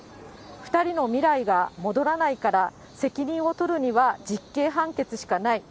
２人の未来が戻らないから、責任を取るには実刑判決しかない。